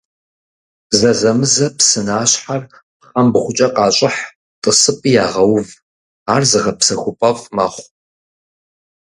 Зэзэмызэ псынащхьэр пхъэмбгъукӀэ къащӀыхь, тӀысыпӀи ягъэув, ар зыгъэпсэхупӀэфӀ мэхъу.